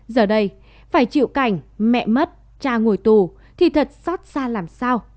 giờ đây phải chịu cảnh mẹ mất cha ngồi tù thì thật xót xa làm sao